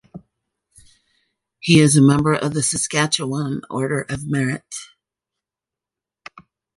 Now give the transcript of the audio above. He is a member of the Saskatchewan Order of Merit.